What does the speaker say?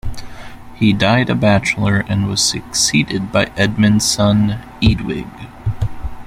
He died a bachelor, and was succeeded by Edmund's son Eadwig.